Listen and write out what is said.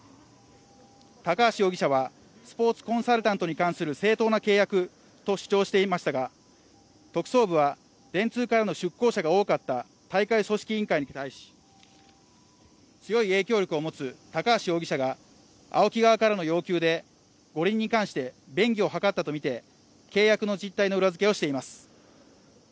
高橋容疑者はスポーツコンサルタントに関する正当な契約と主張していましたが特捜部は電通からの出向者が多かった大会組織委員会に対し強い影響力を持つ高橋容疑者がＡＯＫＩ側からの要求で五輪に関して便宜を図ったとみて契約の実態の裏付けをしています。